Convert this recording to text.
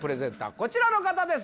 こちらの方です